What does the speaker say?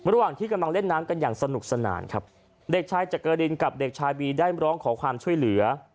ระหว่างที่กำลังเล่นน้ำกันอย่างสนุกสนานครับเด็กชายจักรินกับเด็กชายบีได้ร้องขอความช่วยเหลือ